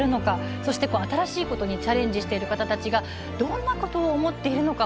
そして新しいことにチャレンジしている方々がどんなことを思っているのか